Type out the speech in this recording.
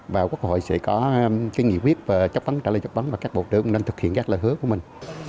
và quốc hội sẽ có cái nghị quyết và chấp vấn trả lời chấp vấn và các bộ đơn nên thực hiện các lời hứa của mình